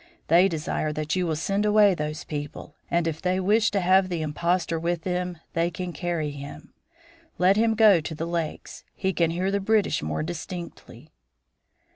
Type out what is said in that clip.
They desire that you will send away those people, and if they wish to have the impostor with them they can carry him. Let him go to the lakes; he can hear the British more distinctly."